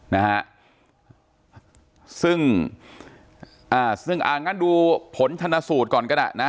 นะฮะซึ่งอ่าซึ่งอ่างั้นดูผลชนสูตรก่อนก็ได้นะ